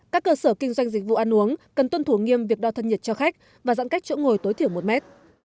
các cơ sở kinh doanh dịch vụ ăn uống cần tuân thủ nghiêm việc đo thân nhiệt cho khách và giãn cách chỗ ngồi tối thiểu một mét